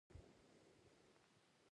ټیکټاک د خندا وړ ویډیوګانو لپاره شهرت لري.